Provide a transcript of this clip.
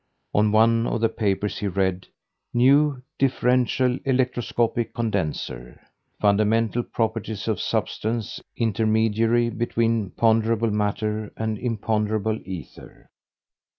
On one of the papers he read: "New differential electroscopic condenser. Fundamental properties of substance intermediary between ponderable matter and imponderable ether."